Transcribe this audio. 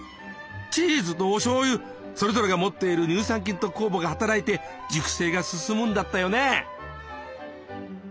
チーズとおしょうゆそれぞれが持っている乳酸菌と酵母が働いて熟成が進むんだったよね。